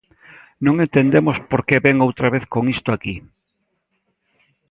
Non entendemos por que vén outra vez con isto aquí.